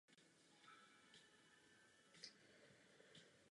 Samotná škola spadá pod Académie Montpellier.